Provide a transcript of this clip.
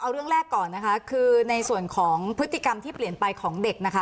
เอาเรื่องแรกก่อนนะคะคือในส่วนของพฤติกรรมที่เปลี่ยนไปของเด็กนะคะ